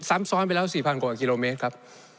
ซ้ำซ้อนไปแล้ว๔๐๐กว่ากิโลเมตรครับ